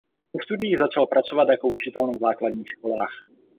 Po studiích začal pracovat jako učitel na základních školách.